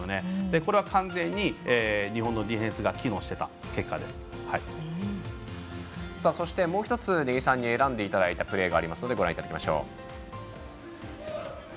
これは完全に日本のディフェンスがもう一つ、根木さんに選んでいただいたプレーがあるのでご覧いただきましょう。